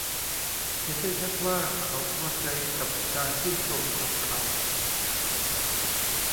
เห็นได้ชัดว่าเขาพอใจกับการชื่นชมของเขา